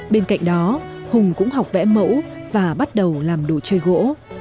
bên cạnh đó hùng cũng học vẽ mẫu và bắt đầu làm đồ chơi gỗ